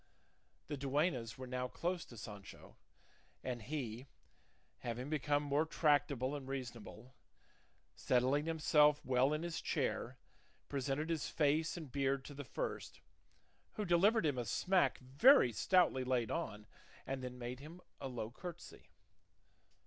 The duennas were now close to Sancho, and he, having become more tractable and reasonable, settling himself well in his chair presented his face and beard to the first, who delivered him a smack very stoutly laid on, and then made him a low curtsey.